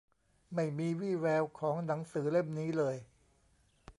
ไม่มีวี่แววของหนังสือเล่มนี้เลย